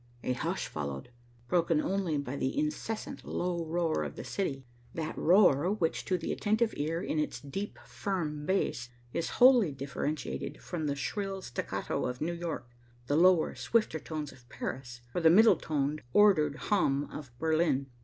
A hush followed, broken only by the incessant low roar of the city, that roar which to the attentive ear in its deep, firm bass is wholly differentiated from the shrill staccato of New York, the lower, swifter tones of Paris, or the middle toned, ordered hum of Berlin.